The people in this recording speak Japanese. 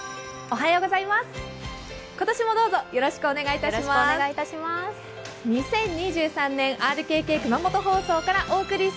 今年もどうぞよろしくお願いいたします。